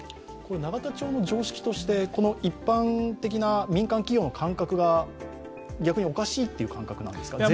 永田町の常識として、一般的な民間企業の感覚が逆におかしいという感覚なんですか？